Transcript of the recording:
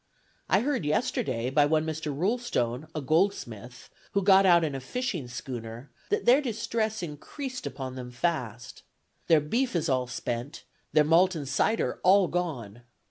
I heard yesterday, by one Mr. Roulstone, a goldsmith, who got out in a fishing schooner, that their distress increased upon them fast. Their beef is all spent; their malt and cider all gone.